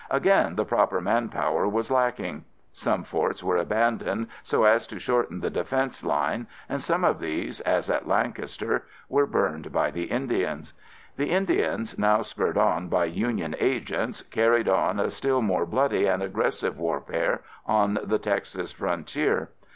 Again the proper manpower was lacking. Some forts were abandoned so as to shorten the defense line and some of these, as at Lancaster, were burned by the Indians. The Indians, now spurred on by Union agents, carried on a still more bloody and aggressive warfare on the Texas frontier.